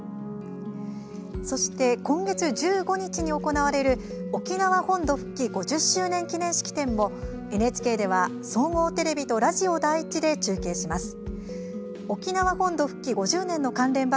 そして、今月１５日に行われる沖縄本土復帰５０周年記念式典もＮＨＫでは総合テレビとラジオ第１で中継します。